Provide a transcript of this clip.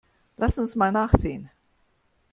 Lass uns mal nachsehen.